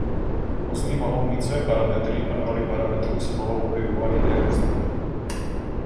Uzly mohou mít své parametry a v roli parametrů se mohou objevovat jiné uzly.